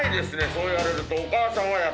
そう言われると。